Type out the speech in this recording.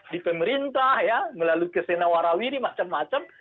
di pemerintah ya melalui kesenawara wiri macem macem